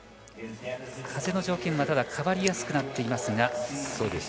風の条件はただ変わりやすくなっています。